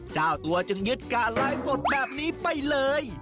เจ้าตัวจึงยึดการไลฟ์สดแบบนี้ไปเลย